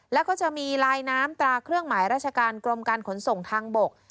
แล้วก็จะมีลายน้ำตราเครื่องหมายราชการกรมการขนส่งทางบก